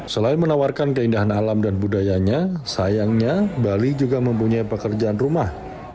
selain menawarkan keindahan alam dan budayanya sayangnya bali juga mempunyai pekerjaan rumah